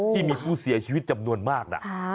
ที่มีผู้เสียชีวิตจำนวนมากนะ